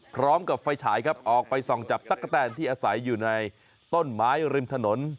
พร้อมกับไฟฉายครับออกไปส่องจับตั๊กกะแตนที่อาศัยอยู่ในต้นไม้ริมถนน